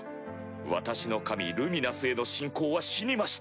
私の神ルミナスへの信仰は死にました。